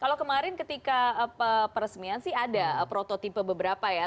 kalau kemarin ketika peresmian sih ada prototipe beberapa ya